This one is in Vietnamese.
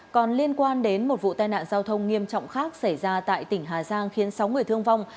còn liên quan đến một vụ tai nạn giao thông nghiêm trọng khác xảy ra tại tỉnh hà giang khiến sáu người thương vong